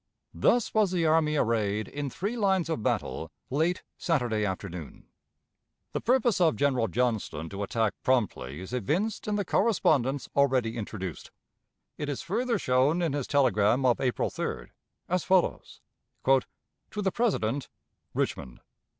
Thus was the army arrayed in three lines of battle late Saturday afternoon. The purpose of General Johnston to attack promptly is evinced in the correspondence already introduced; it is further shown in his telegram of April 3d, as follows: "To the PRESIDENT, _Richmond.